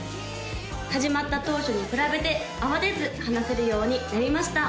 始まった当初に比べて慌てず話せるようになりました